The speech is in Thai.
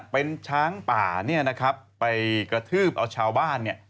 เป็นช้างป่าเนี่ยนะครับไปกระทืบเอาชาวบ้านเนี่ย